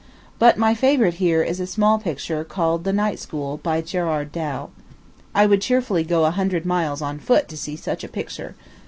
But my favorite here is a small picture called the Night School, by Gerard Dow. I would cheerfully go a hundred miles on foot to see such a picture.